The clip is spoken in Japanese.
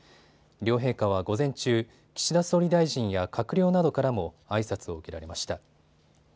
両陛下は午前中、岸田総理大臣や閣僚などからもあいさつを受けられました。